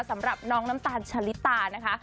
สำหรับน้องน้ำตาลชะลิตานะคะ